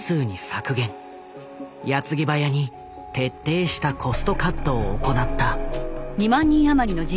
矢継ぎ早に徹底したコストカットを行った。